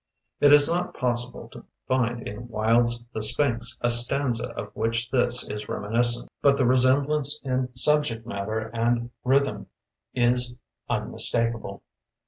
It is not possible to find in Wilde's "The Sphinx" a stanza of which this is reminiscent, but the resemblance in subject matter and rhsrthm is unmis takable.